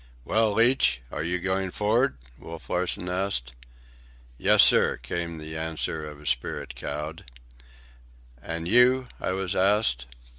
"Well, Leach, are you going for'ard?" Wolf Larsen asked. "Yes, sir," came the answer of a spirit cowed. "And you?" I was asked.